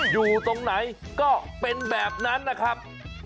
อยู่ตรงไหนก็เป็นแบบนั้นนะครับ